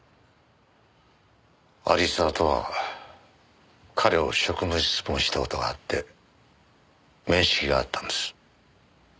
有沢とは彼を職務質問した事があって面識があったんです。